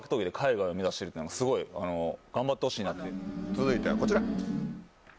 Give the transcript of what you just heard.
続いてはこちら！